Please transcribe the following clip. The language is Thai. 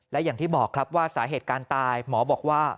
และอย่างที่บอกครับว่าสาเหตุการณ์ตายหมอบอกว่า